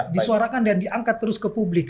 disuarakan dan diangkat terus ke publik